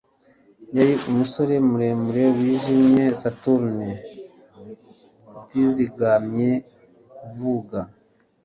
Yari umusore muremure, wijimye, saturnine, utizigamye kuvuga